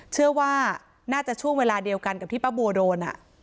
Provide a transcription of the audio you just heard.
เชื่อว่าน่าจะช่วงเวลาเดียวกันกับที่ป้าบัวโดน